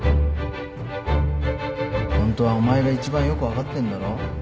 ホントはお前が一番よく分かってんだろ？